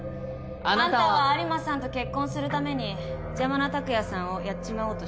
あなたは。あんたは有馬さんと結婚するために邪魔な拓也さんをやっちまおうとした。